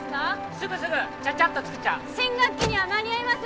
すぐすぐちゃちゃっとつくっちゃう新学期には間に合います？